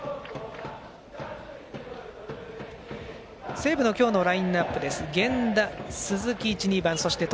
西武の今日のラインアップです。